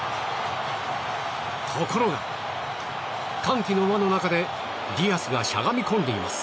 ところが、歓喜の輪の中でディアスがしゃがみ込んでいます。